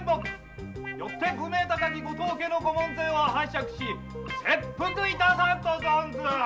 よってご当家のご門前を拝借し切腹いたさんと存ずる。